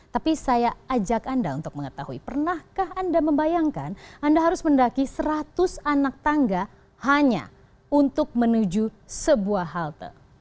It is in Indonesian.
tapi saya ajak anda untuk mengetahui pernahkah anda membayangkan anda harus mendaki seratus anak tangga hanya untuk menuju sebuah halte